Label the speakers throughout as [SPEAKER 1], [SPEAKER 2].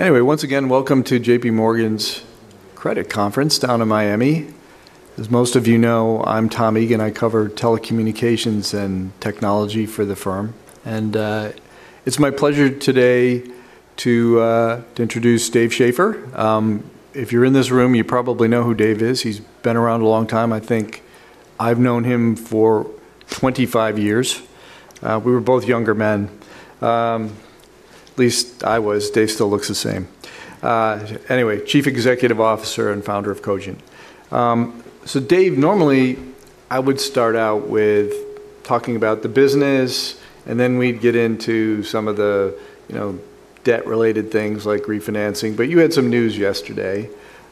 [SPEAKER 1] Once again, welcome to J.P. Morgan's Credit Conference down in Miami. As most of you know, I'm Tom Egan. I cover telecommunications and technology for the firm. It's my pleasure today to introduce Dave Schaeffer. If you're in this room, you probably know who Dave is. He's been around a long time. I think I've known him for 25 years. We were both younger men. At least I was. Dave still looks the same. Anyway, Chief Executive Officer and founder of Cogent. Dave, normally I would start out with talking about the business, and then we'd get into some of the, you know, debt-related things like refinancing. You had some news yesterday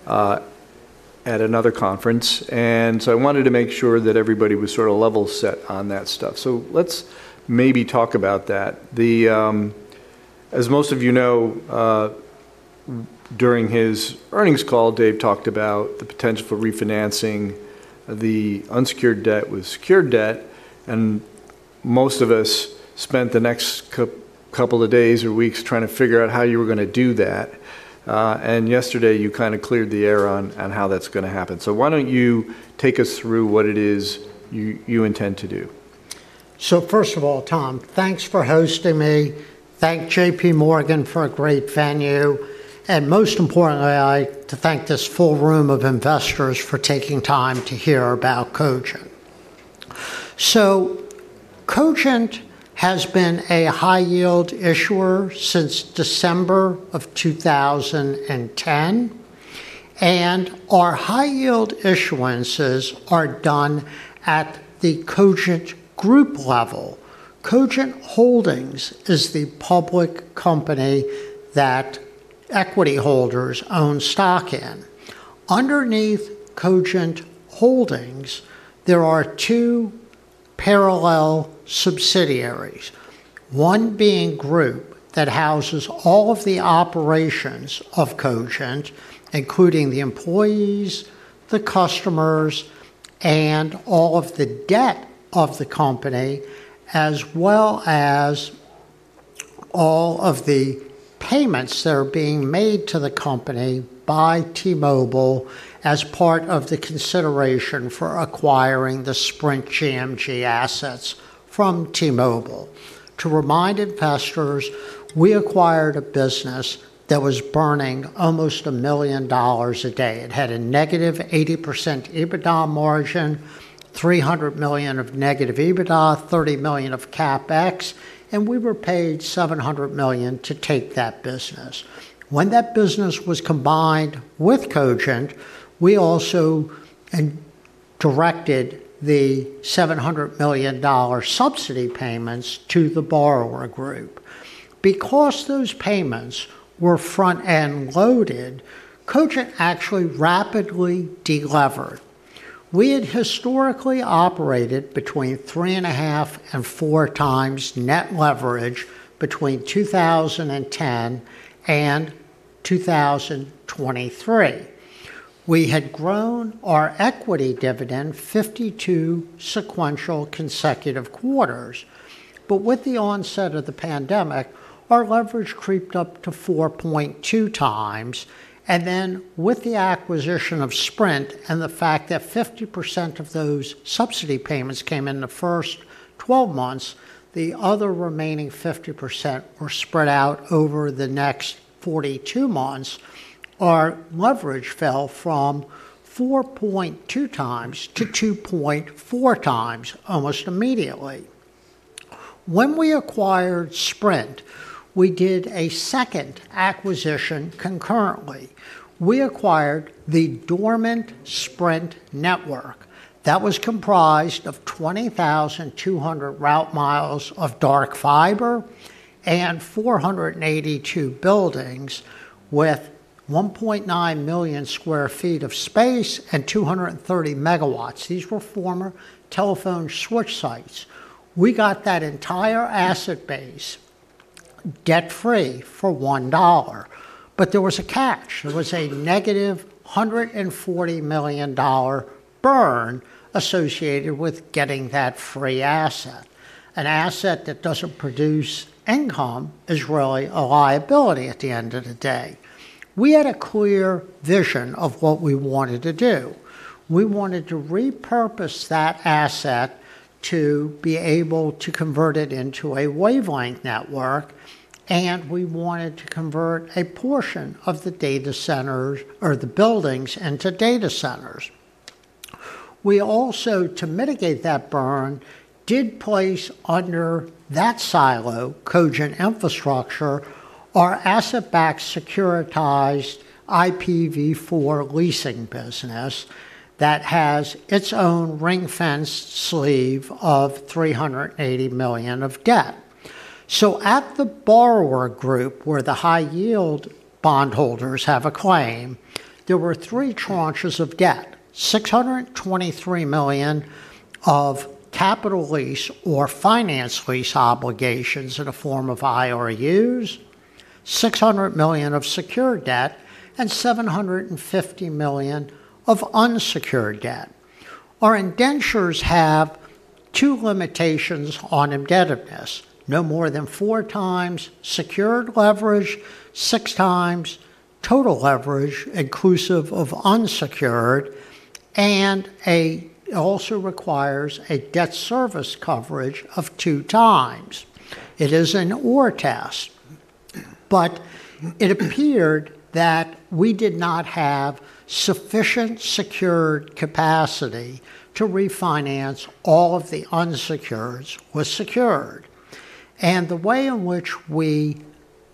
[SPEAKER 1] at another conference, I wanted to make sure that everybody was sort of level set on that stuff. Let's maybe talk about that. As most of you know, during his earnings call, Dave talked about the potential for refinancing the unsecured debt with secured debt. Most of us spent the next couple of days or weeks trying to figure out how you were gonna do that. Yesterday you kind of cleared the air on how that's gonna happen. Why don't you take us through what it is you intend to do?
[SPEAKER 2] First of all, Tom, thanks for hosting me. Thank J.P. Morgan for a great venue, and most importantly, to thank this full room of investors for taking time to hear about Cogent. Cogent has been a high-yield issuer since December of 2010, and our high-yield issuances are done at the Cogent Group level. Cogent Holdings is the public company that equity holders own stock in. Underneath Cogent Holdings, there are two parallel subsidiaries, one being Group that houses all of the operations of Cogent, including the employees, the customers, and all of the debt of the company, as well as all of the payments that are being made to the company by T-Mobile as part of the consideration for acquiring the Sprint CMG assets from T-Mobile. To remind investors, we acquired a business that was burning almost $1 million a day. It had a negative 80% EBITDA margin, $300 million of negative EBITDA, $30 million of CapEx, and we were paid $700 million to take that business. When that business was combined with Cogent, we also directed the $700 million subsidy payments to the borrower group. Because those payments were front-end loaded, Cogent actually rapidly delevered. We had historically operated between 3.5 and four times net leverage between 2010 and 2023. We had grown our equity dividend 52 sequential consecutive quarters. With the onset of the pandemic, our leverage creeped up to 4.2 times. With the acquisition of Sprint and the fact that 50% of those subsidy payments came in the first 12 months, the other remaining 50% were spread out over the next 42 months, our leverage fell from 4.2 times to 2.4 times almost immediately. When we acquired Sprint, we did a second acquisition concurrently. We acquired the dormant Sprint network that was comprised of 20,200 route miles of dark fiber and 482 buildings with 1.9 million sq ft of space and 230 megawatts. These were former telephone switch sites. We got that entire asset base debt-free for $1. There was a catch. There was a negative $140 million burn associated with getting that free asset. An asset that doesn't produce income is really a liability at the end of the day. We had a clear vision of what we wanted to do. We wanted to repurpose that asset to be able to convert it into a wavelength network, and we wanted to convert a portion of the data centers or the buildings into data centers. We also, to mitigate that burn, did place under that silo, Cogent Infrastructure, our asset-backed securitized IPv4 leasing business that has its own ring-fenced sleeve of $380 million of debt. At the borrower group where the high-yield bondholders have a claim, there were three tranches of debt. $623 million of capital lease or finance lease obligations in the form of IRUs, $600 million of secured debt, and $750 million of unsecured debt. Our indentures have two limitations on indebtedness: no more than four times secured leverage, six times total leverage inclusive of unsecured, and it also requires a debt service coverage of two times. It is an or test. It appeared that we did not have sufficient secured capacity to refinance all of the unsecured with secured. The way in which we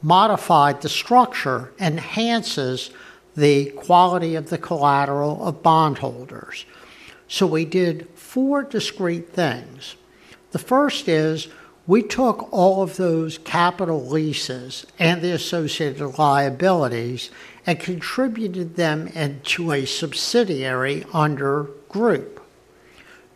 [SPEAKER 2] modified the structure enhances the quality of the collateral of bondholders. We did four discrete things. The first is we took all of those capital leases and the associated liabilities and contributed them into a subsidiary under Group.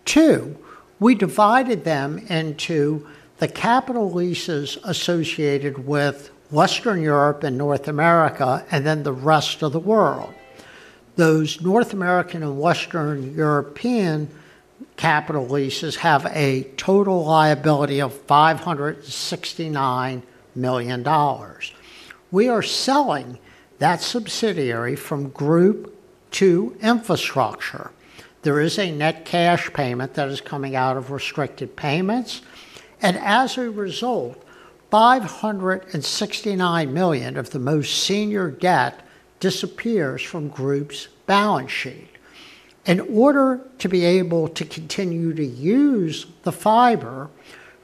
[SPEAKER 2] Two, we divided them into the capital leases associated with Western Europe and North America, then the rest of the world. Those North American and Western European capital leases have a total liability of $569 million. We are selling that subsidiary from Group to Infrastructure. There is a net cash payment that is coming out of restricted payments. As a result, $569 million of the most senior debt disappears from Group's balance sheet. In order to be able to continue to use the fiber,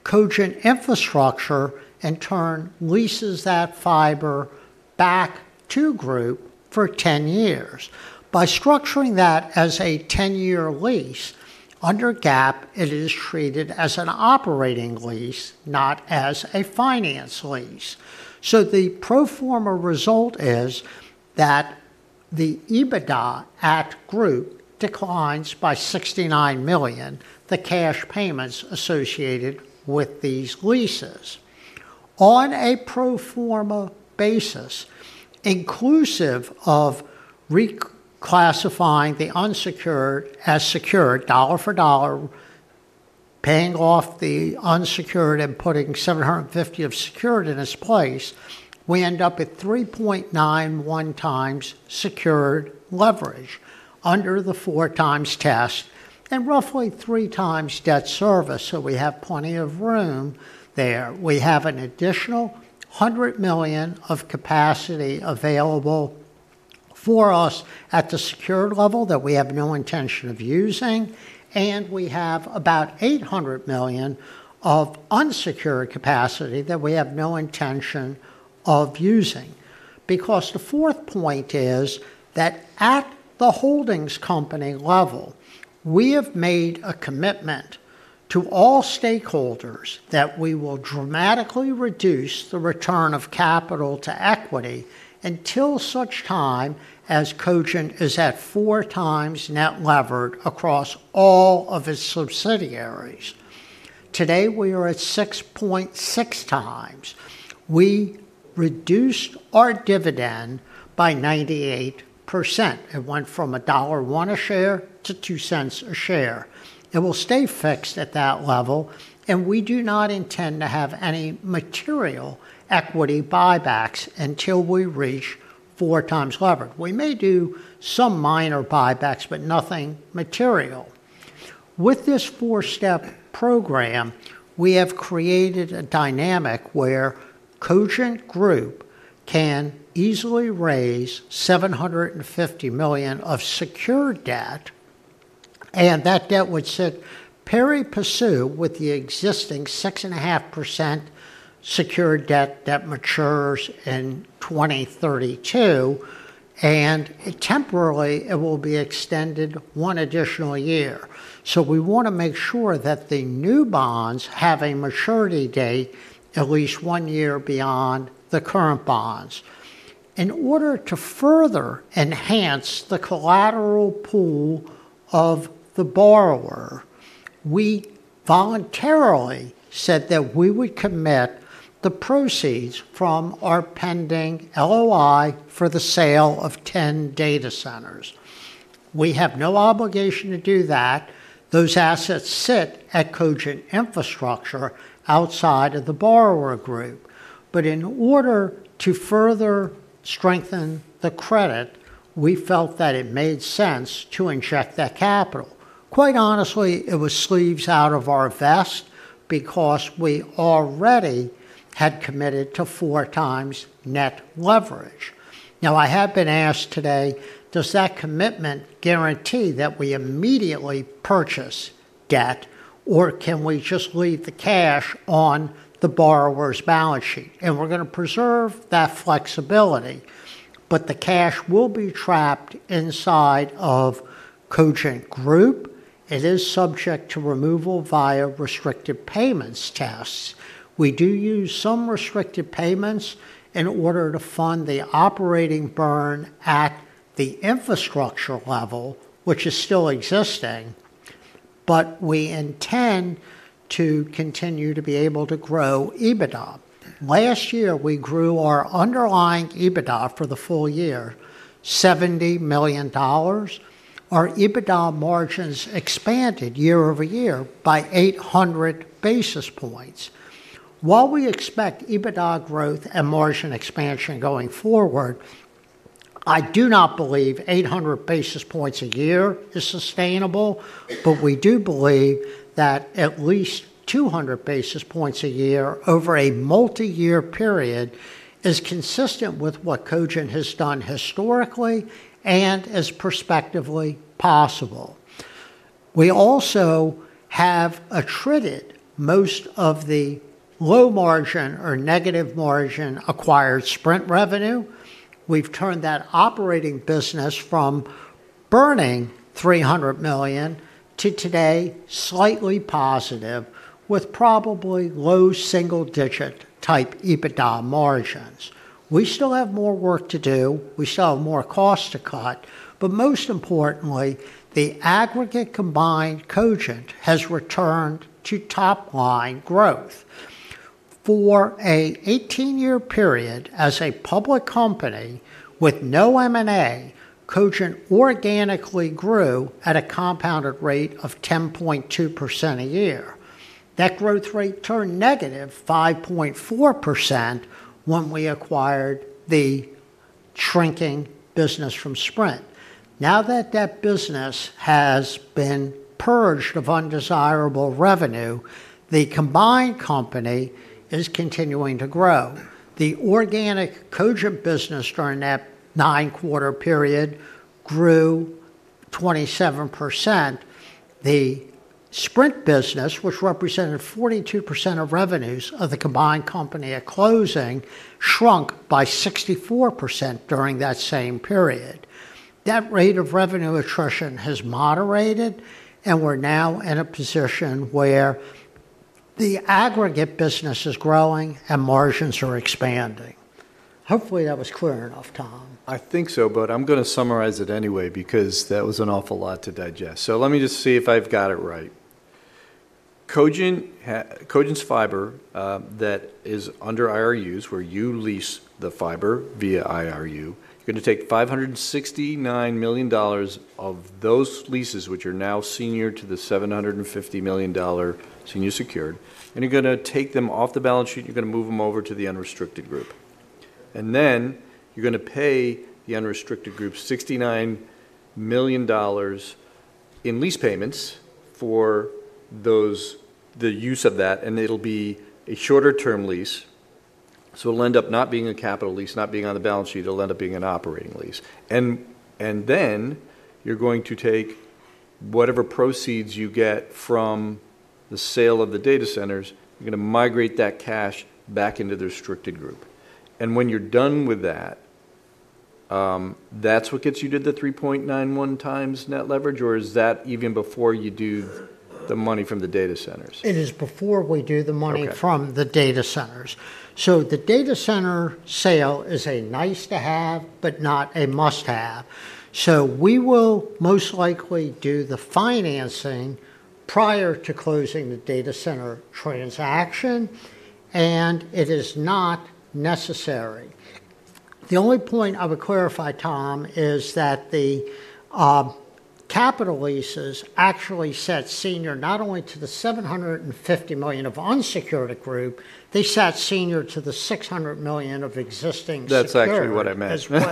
[SPEAKER 2] Cogent Infrastructure in turn leases that fiber back to Group for 10 years. By structuring that as a 10-year lease, under GAAP, it is treated as an operating lease, not as a finance lease. The pro forma result is that the EBITDA at Group declines by $69 million, the cash payments associated with these leases. On a pro forma basis, inclusive of reclassifying the unsecured as secured dollar for dollar, paying off the unsecured and putting $750 million of secured in its place, we end up at 3.91 times secured leverage under the four times test and roughly three times debt service, so we have plenty of room there. We have an additional $100 million of capacity available for us at the secured level that we have no intention of using, and we have about $800 million of unsecured capacity that we have no intention of using. The fourth point is that at the holdings company level, we have made a commitment to all stakeholders that we will dramatically reduce the return of capital to equity until such time as Cogent is at four times net levered across all of its subsidiaries. Today, we are at 6.6 times. We reduced our dividend by 98%. It went from $1.01 a share to $0.02 a share. It will stay fixed at that level, and we do not intend to have any material equity buybacks until we reach four times levered. We may do some minor buybacks, but nothing material. With this four-step program, we have created a dynamic where Cogent Group can easily raise $750 million of secured debt, and that debt would sit pari passu with the existing 6.5% secured debt that matures in 2032, and temporarily it will be extended one additional year. We want to make sure that the new bonds have a maturity date at least one year beyond the current bonds. In order to further enhance the collateral pool of the borrower, we voluntarily said that we would commit the proceeds from our pending LOI for the sale of 10 data centers. We have no obligation to do that. Those assets sit at Cogent Infrastructure outside of the borrower group. In order to further strengthen the credit, we felt that it made sense to inject that capital. Quite honestly, it was sleeves out of our vest because we already had committed to four times net leverage. I have been asked today, does that commitment guarantee that we immediately purchase debt, or can we just leave the cash on the borrower's balance sheet? We're going to preserve that flexibility, but the cash will be trapped inside of Cogent Group. It is subject to removal via restricted payments tests. We do use some restricted payments in order to fund the operating burn at the infrastructure level, which is still existing. We intend to continue to be able to grow EBITDA. Last year, we grew our underlying EBITDA for the full year $70 million. Our EBITDA margins expanded year-over-year by 800 basis points. While we expect EBITDA growth and margin expansion going forward, I do not believe 800 basis points a year is sustainable, but we do believe that at least 200 basis points a year over a multi-year period is consistent with what Cogent has done historically and is perspectively possible. We also have attrited most of the low margin or negative margin acquired Sprint revenue. We've turned that operating business from burning $300 million to today slightly positive with probably low single digit type EBITDA margins. We still have more work to do. We still have more cost to cut. Most importantly, the aggregate combined Cogent has returned to top line growth. For a 18-year period as a public company with no M&A, Cogent organically grew at a compounded rate of 10.2% a year. That growth rate turned -5.4% when we acquired the shrinking business from Sprint. Now that that business has been purged of undesirable revenue, the combined company is continuing to grow. The organic Cogent business during that nine-quarter period grew 27%. The Sprint business, which represented 42% of revenues of the combined company at closing, shrunk by 64% during that same period. That rate of revenue attrition has moderated, and we're now in a position where the aggregate business is growing and margins are expanding. Hopefully that was clear enough, Tom.
[SPEAKER 1] I think so, I'm gonna summarize it anyway because that was an awful lot to digest. Let me just see if I've got it right. Cogent's fiber that is under IRUs, where you lease the fiber via IRU, you're gonna take $569 million of those leases, which are now senior to the $750 million senior secured, and you're gonna take them off the balance sheet, you're gonna move them over to the unrestricted group. Then you're gonna pay the unrestricted group $69 million in lease payments for those, the use of that, and it'll be a shorter-term lease. It'll end up not being a capital lease, not being on the balance sheet. It'll end up being an operating lease. You're going to take whatever proceeds you get from the sale of the data centers, you're gonna migrate that cash back into the restricted group. When you're done with that's what gets you to the 3.91x net leverage, or is that even before you do the money from the data centers?
[SPEAKER 2] It is before we do the money.
[SPEAKER 1] Okay
[SPEAKER 2] ...from the data centers. The data center sale is a nice to have, but not a must-have. We will most likely do the financing prior to closing the data center transaction, and it is not necessary. The only point I would clarify, Tom, is that the capital leases actually set senior not only to the $750 million of unsecured group, they sat senior to the $600 million of existing secured-
[SPEAKER 1] That's actually what I meant.
[SPEAKER 2] as well.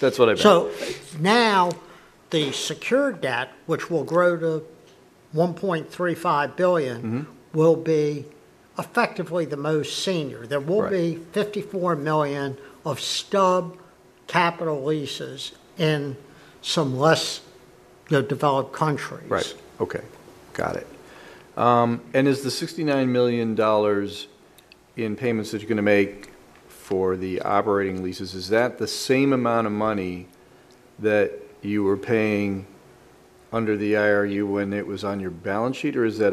[SPEAKER 1] That's what I meant.
[SPEAKER 2] now the secured debt, which will grow to $1.35 billion-
[SPEAKER 1] Mm-hmm
[SPEAKER 2] will be effectively the most senior.
[SPEAKER 1] Right.
[SPEAKER 2] There will be $54 million of stub capital leases in some less, you know, developed countries.
[SPEAKER 1] Right. Okay. Got it. Is the $69 million in payments that you're gonna make for the operating leases, is that the same amount of money that you were paying under the IRU when it was on your balance sheet, or is that?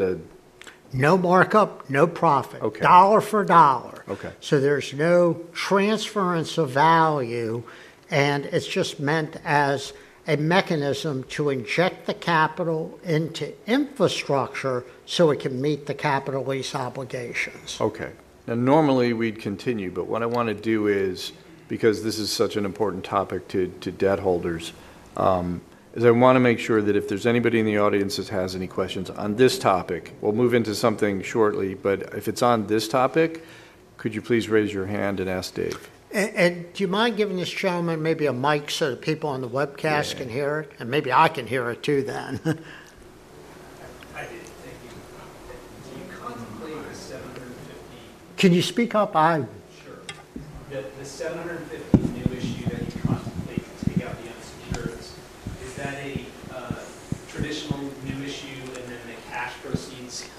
[SPEAKER 2] No markup, no profit.
[SPEAKER 1] Okay.
[SPEAKER 2] Dollar for dollar.
[SPEAKER 1] Okay.
[SPEAKER 2] There's no transference of value, and it's just meant as a mechanism to inject the capital into infrastructure so it can meet the capital lease obligations.
[SPEAKER 1] Okay. Normally we'd continue, but what I wanna do is, because this is such an important topic to debt holders, is I wanna make sure that if there's anybody in the audience that has any questions on this topic, we'll move into something shortly, but if it's on this topic, could you please raise your hand and ask Dave?
[SPEAKER 2] Do you mind giving this gentleman maybe a mic so the people on the webcast.
[SPEAKER 1] Yeah
[SPEAKER 2] can hear it? Maybe I can hear it too then.
[SPEAKER 3] I do. Thank you. Thank you. Do you contemplate the 750-
[SPEAKER 2] Can you speak up?
[SPEAKER 3] Sure. The $750 new issue that you contemplate to take out the unsecureds,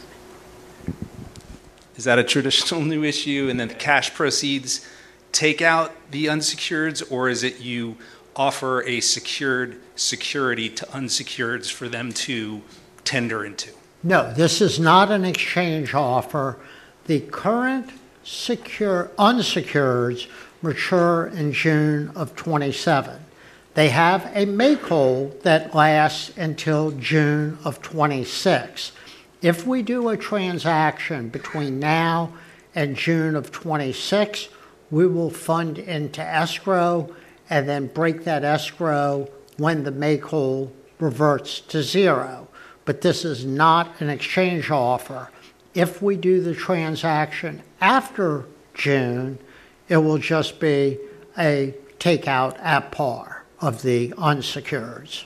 [SPEAKER 3] is that a traditional new issue and then the cash proceeds... Is that a traditional new issue, and then the cash proceeds take out the unsecureds, or is it you offer a secured security to unsecureds for them to tender into?
[SPEAKER 2] This is not an exchange offer. The current unsecureds mature in June of 2027. They have a make-whole that lasts until June of 2026. If we do a transaction between now and June of 2026, we will fund into escrow and then break that escrow when the make-whole reverts to 0. This is not an exchange offer. If we do the transaction after June, it will just be a takeout at par of the unsecureds.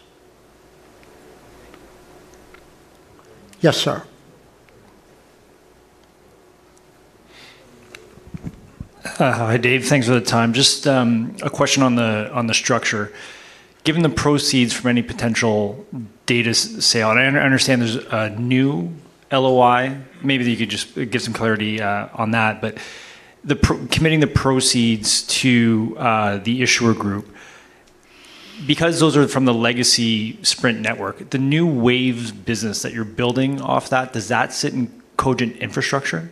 [SPEAKER 2] Yes, sir.
[SPEAKER 3] Hi, Dave. Thanks for the time. Just a question on the structure. Given the proceeds from any potential data sale, and I understand there's a new LOI, maybe you could just give some clarity on that. Committing the proceeds to the issuer group, because those are from the legacy Sprint network, the new Waves business that you're building off that, does that sit in Cogent Infrastructure?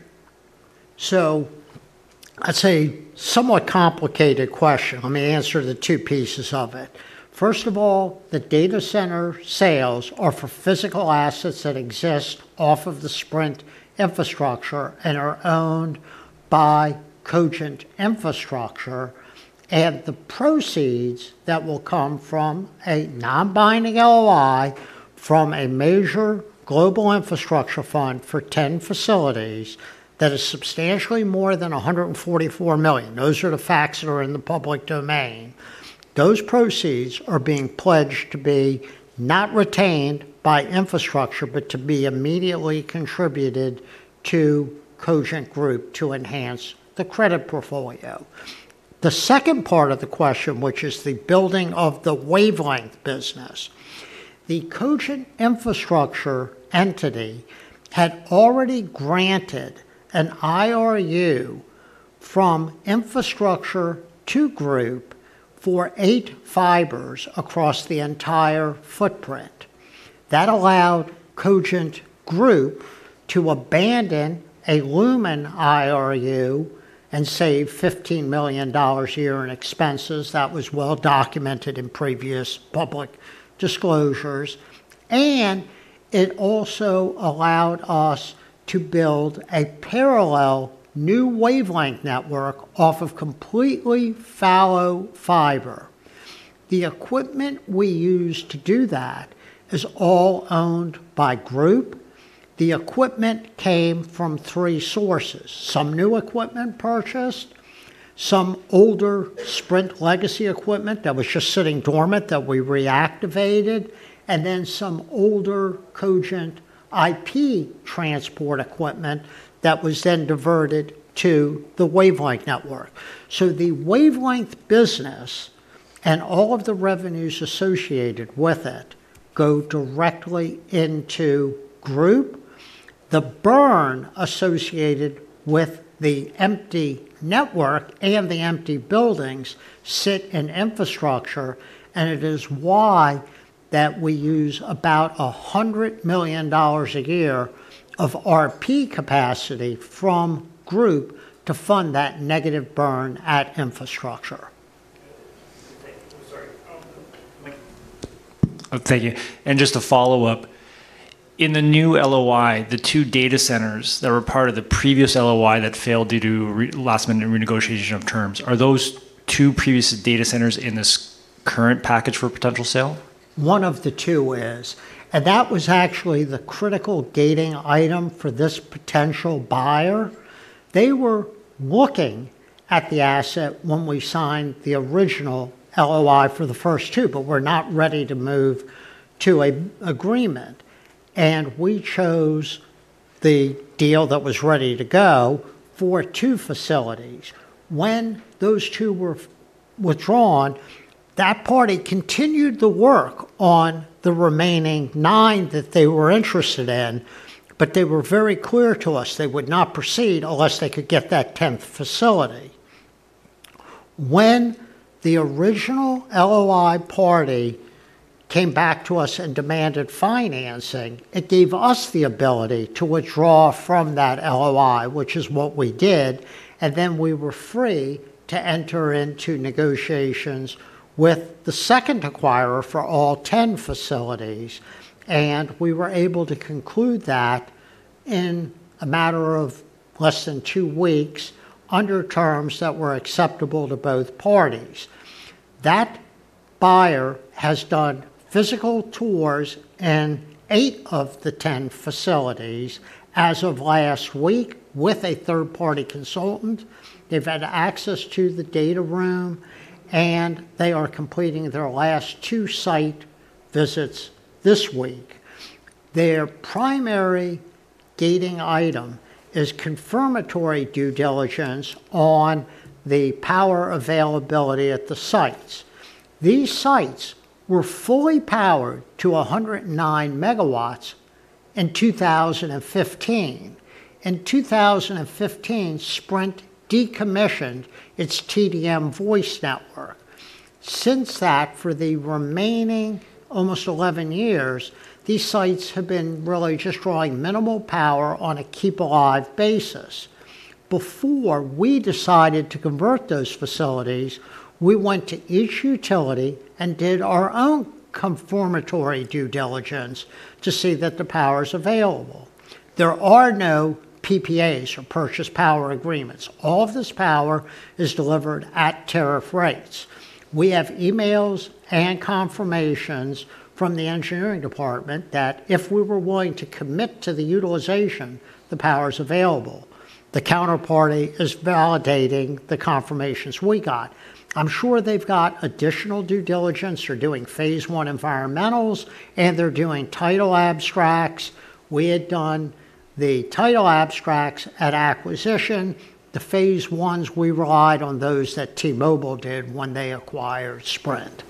[SPEAKER 2] That's a somewhat complicated question. Let me answer the two pieces of it. First of all, the data center sales are for physical assets that exist off of the Sprint infrastructure and are owned by Cogent Infrastructure. The proceeds that will come from a non-binding LOI from a major global infrastructure fund for 10 facilities that is substantially more than $144 million, those are the facts that are in the public domain. Those proceeds are being pledged to be not retained by Infrastructure, but to be immediately contributed to Cogent Group to enhance the credit portfolio. The second part of the question, which is the building of the wavelength business. The Cogent Infrastructure entity had already granted an IRU from Infrastructure to Group for eiight fibers across the entire footprint. That allowed Cogent Group to abandon a Lumen IRU and save $15 million a year in expenses. That was well documented in previous public disclosures. It also allowed us to build a parallel new Wavelength network off of completely fallow fiber. The equipment we use to do that is all owned by Group. The equipment came from three sources, some new equipment purchased, some older Sprint legacy equipment that was just sitting dormant that we reactivated, and then some older Cogent IP transport equipment that was then diverted to the Wavelength network. The Wavelength business and all of the revenues associated with it go directly into Group. The burn associated with the empty network and the empty buildings sit in Infrastructure, and it is why that we use about $100 million a year of RP capacity from Group to fund that negative burn at Infrastructure.
[SPEAKER 3] Thank you. Sorry. Thank you. Just to follow up, in the new LOI, the two data centers that were part of the previous LOI that failed due to last-minute renegotiation of terms, are those two previous data centers in this current package for potential sale?
[SPEAKER 2] One of the 2 is, and that was actually the critical gating item for this potential buyer. They were looking at the asset when we signed the original LOI for the 1st 2, but were not ready to move to a agreement, and we chose the deal that was ready to go for 2 facilities. When those 2 were withdrawn, that party continued the work on the remaining 9 that they were interested in, but they were very clear to us they would not proceed unless they could get that 10th facility. When the original LOI party came back to us and demanded financing, it gave us the ability to withdraw from that LOI, which is what we did, and then we were free to enter into negotiations with the second acquirer for all 10 facilities, and we were able to conclude that in a matter of less than 2 weeks under terms that were acceptable to both parties. That buyer has done physical tours in 8 of the 10 facilities as of last week with a third-party consultant. They've had access to the data room, and they are completing their last 2 site visits this week. Their primary gating item is confirmatory due diligence on the power availability at the sites. These sites were fully powered to 109 megawatts in 2015. In 2015, Sprint decommissioned its TDM voice network. Since that, for the remaining almost 11 years, these sites have been really just drawing minimal power on a keep-alive basis. Before we decided to convert those facilities, we went to each utility and did our own confirmatory due diligence to see that the power's available. There are no PPAs or power purchase agreements. All of this power is delivered at tariff rates. We have emails and confirmations from the engineering department that if we were willing to commit to the utilization, the power is available. The counterparty is validating the confirmations we got. I'm sure they've got additional due diligence. They're doing Phase I environmentals, and they're doing title abstracts. We had done the title abstracts at acquisition. The Phase I ones, we relied on those that T-Mobile did when they acquired Sprint.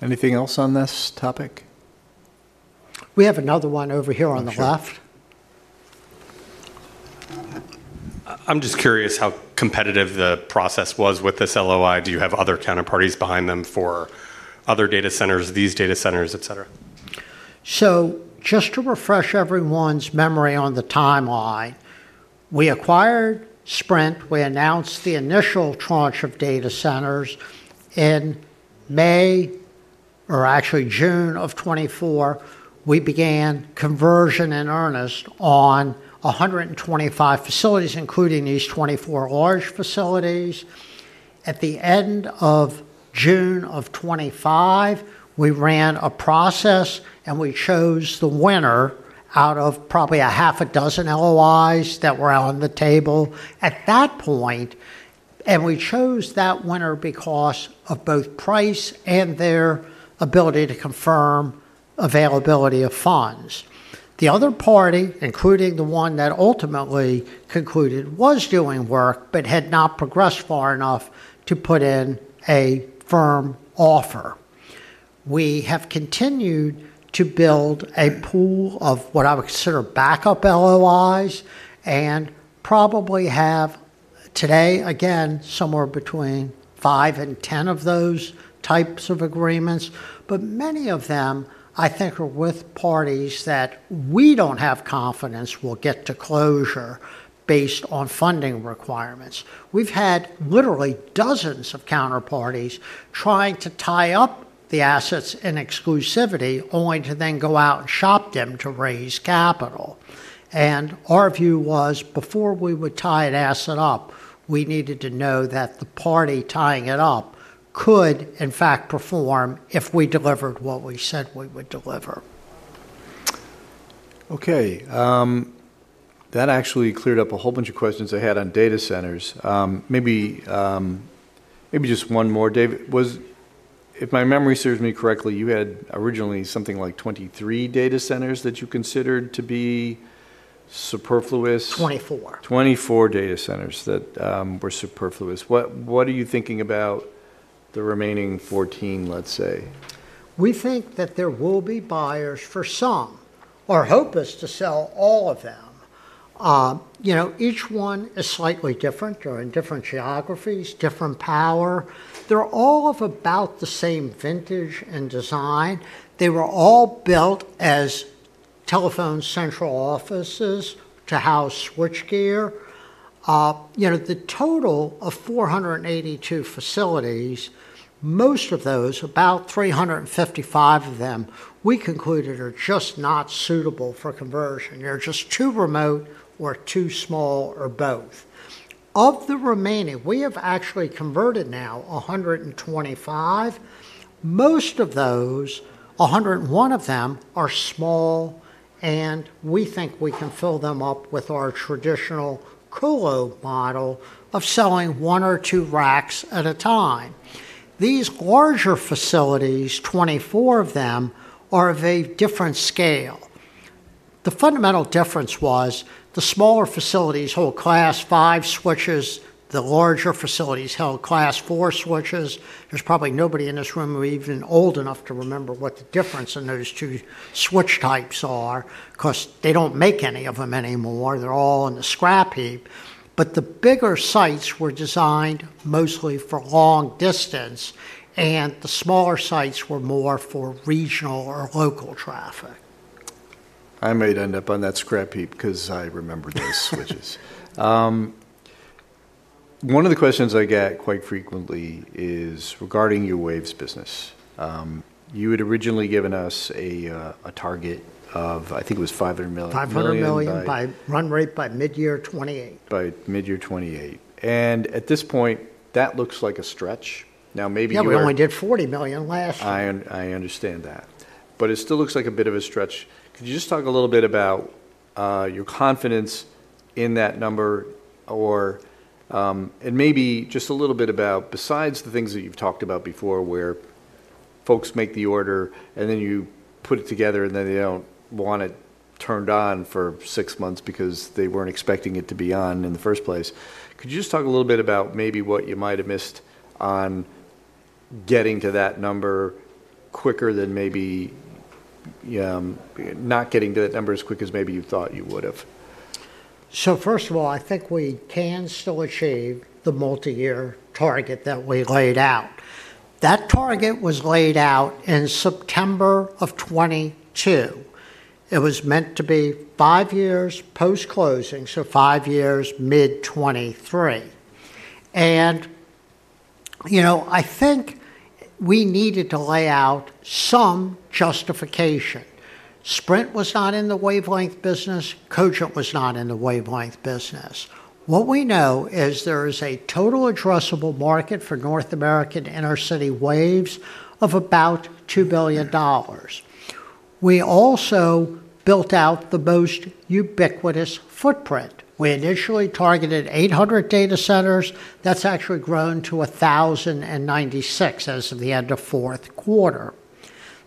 [SPEAKER 1] Anything else on this topic?
[SPEAKER 2] We have another one over here on the left.
[SPEAKER 1] Sure.
[SPEAKER 3] I'm just curious how competitive the process was with this LOI. Do you have other counterparties behind them for other data centers, these data centers, et cetera?
[SPEAKER 2] Just to refresh everyone's memory on the timeline, we acquired Sprint. We announced the initial tranche of data centers in May, or actually June of 2024. We began conversion in earnest on 125 facilities, including these 24 large facilities. At the end of June of 2025, we ran a process, and we chose the winner out of probably a half a dozen LOIs that were on the table at that point, and we chose that winner because of both price and their ability to confirm availability of funds. The other party, including the one that ultimately concluded, was doing work but had not progressed far enough to put in a firm offer. We have continued to build a pool of what I would consider backup LOIs and probably have today, again, somewhere between 5 and 10 of those types of agreements. Many of them, I think, are with parties that we don't have confidence will get to closure based on funding requirements. We've had literally dozens of counterparties trying to tie up the assets in exclusivity, only to then go out and shop them to raise capital. Our view was, before we would tie an asset up, we needed to know that the party tying it up could, in fact, perform if we delivered what we said we would deliver.
[SPEAKER 1] Okay. That actually cleared up a whole bunch of questions I had on data centers. Maybe just one more. Dave, if my memory serves me correctly, you had originally something like 23 data centers that you considered to be superfluous?
[SPEAKER 2] Twenty-four.
[SPEAKER 1] 24 data centers that were superfluous. What are you thinking about the remaining 14, let's say?
[SPEAKER 2] We think that there will be buyers for some. Our hope is to sell all of them. you know, each one is slightly different. They're in different geographies, different power. They're all of about the same vintage and design. They were all built as telephone central offices to house switchgear. you know, the total of 482 facilities, most of those, about 355 of them, we concluded are just not suitable for conversion. They're just too remote or too small or both. Of the remaining, we have actually converted now 125. Most of those, 101 of them, are small, and we think we can fill them up with our traditional colo model of selling one or two racks at a time. These larger facilities, 24 of them, are of a different scale. The fundamental difference was the smaller facilities hold Class 5 switches. The larger facilities held Class 4 switches. There's probably nobody in this room who are even old enough to remember what the difference in those two switch types are 'cause they don't make any of them anymore. They're all in the scrap heap. The bigger sites were designed mostly for long distance, and the smaller sites were more for regional or local traffic.
[SPEAKER 1] I might end up on that scrap heap 'cause I remember those switches. One of the questions I get quite frequently is regarding wave business. You had originally given us a target of, I think it was $500 mill-.
[SPEAKER 2] $500 million by-
[SPEAKER 1] million.
[SPEAKER 2] Run rate by mid-year 2028.
[SPEAKER 1] By mid-year 2028. At this point, that looks like a stretch. Maybe you-
[SPEAKER 2] Yeah, we only did $40 million last year.
[SPEAKER 1] I understand that, but it still looks like a bit of a stretch. Could you just talk a little bit about your confidence in that number or, and maybe just a little bit about besides the things that you've talked about before where folks make the order and then you put it together and then they don't want it turned on for six months because they weren't expecting it to be on in the first place. Could you just talk a little bit about maybe what you might have missed on getting to that number quicker than maybe, not getting to that number as quick as maybe you thought you would've?
[SPEAKER 2] First of all, I think we can still achieve the multi-year target that we laid out. That target was laid out in September 2022. It was meant to be 5 years post-closing, so 5 years mid-2023. You know, I think we needed to lay out some justification. Sprint was not in the wavelength business. Cogent was not in the wavelength business. What we know is there is a total addressable market for North American inter-city waves of about $2 billion. We also built out the most ubiquitous footprint. We initially targeted 800 data centers. That's actually grown to 1,096 as of the end of fourth quarter.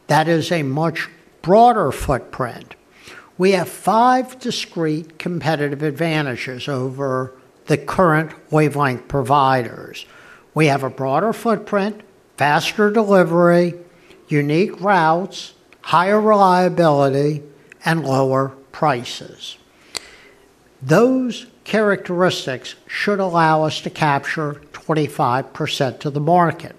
[SPEAKER 2] That is a much broader footprint. We have 5 discrete competitive advantages over the current wavelength providers. We have a broader footprint, faster delivery, unique routes, higher reliability, and lower prices. Those characteristics should allow us to capture 25% of the market.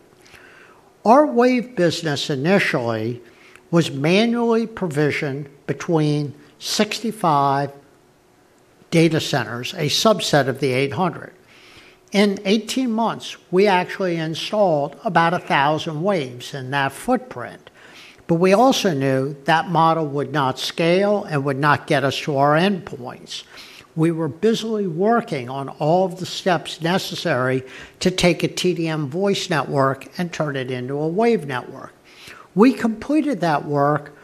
[SPEAKER 2] Our wave business initially was manually provisioned between 65 data centers, a subset of the 800. In 18 months, we actually installed about 1,000 waves in that footprint. We also knew that model would not scale and would not get us to our endpoints. We were busily working on all of the steps necessary to take a TDM voice network and turn it into a wave network. We completed that work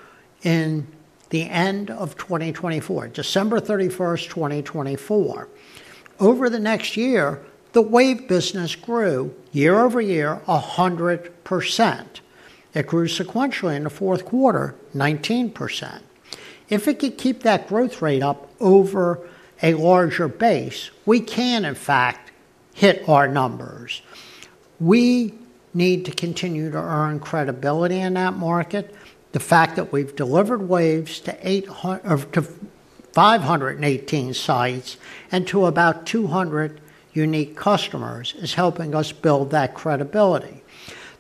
[SPEAKER 2] in the end of 2024, December 31, 2024. Over the next year, the wave business grew year-over-year 100%. It grew sequentially in the fourth quarter 19%. If it could keep that growth rate up over a larger base, we can in fact hit our numbers. We need to continue to earn credibility in that market. The fact that we've delivered Waves to 518 sites and to about 200 unique customers is helping us build that credibility.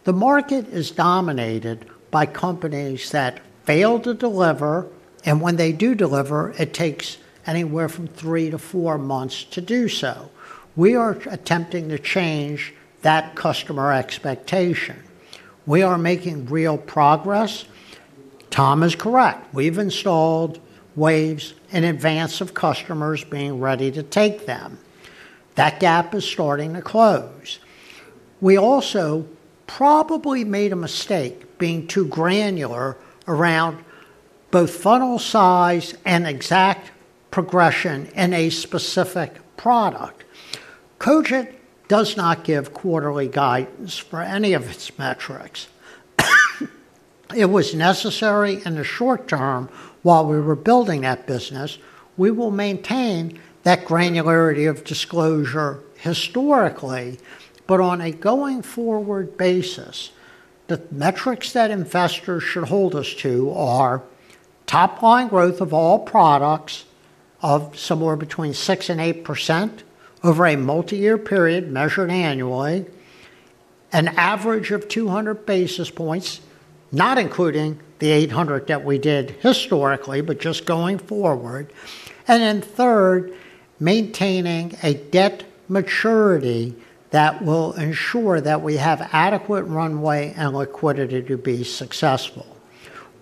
[SPEAKER 2] The market is dominated by companies that fail to deliver, when they do deliver, it takes anywhere from 3-4 months to do so. We are attempting to change that customer expectation. We are making real progress. Tom is correct. We've installed Waves in advance of customers being ready to take them. That gap is starting to close. We also probably made a mistake being too granular around both funnel size and exact progression in a specific product. Cogent does not give quarterly guidance for any of its metrics. It was necessary in the short term while we were building that business. We will maintain that granularity of disclosure historically, but on a going-forward basis, the metrics that investors should hold us to are top-line growth of all products of somewhere between 6%-8% over a multi-year period measured annually, an average of 200 basis points, not including the 800 that we did historically, but just going forward, and then third, maintaining a debt maturity that will ensure that we have adequate runway and liquidity to be successful.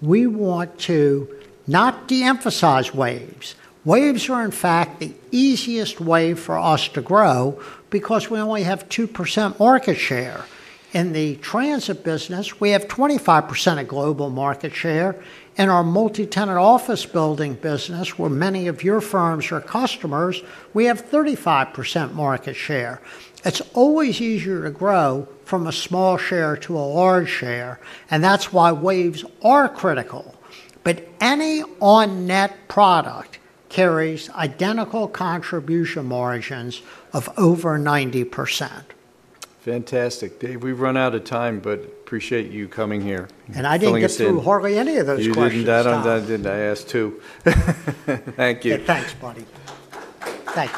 [SPEAKER 2] We want to not de-emphasize Waves. Waves are, in fact, the easiest way for us to grow because we only have 2% market share. In the transit business, we have 25% of global market share. In our multi-tenant office building business, where many of your firms are customers, we have 35% market share. It's always easier to grow from a small share to a large share, and that's why Waves are critical. Any on-net product carries identical contribution margins of over 90%.
[SPEAKER 1] Fantastic. Dave, we've run out of time, but appreciate you coming here.
[SPEAKER 2] I didn't get through hardly any of those questions, Tom.
[SPEAKER 1] You didn't. That and I asked too. Thank you.
[SPEAKER 2] Thanks, buddy. Thank you